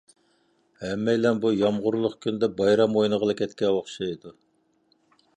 ھەممەيلەن بۇ يامغۇرلۇق كۈندە بايرام ئوينىغىلى كەتكەن ئوخشايدۇ.